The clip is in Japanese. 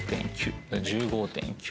１５．９。